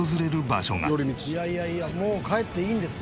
「いやいやいやもう帰っていいんですよ」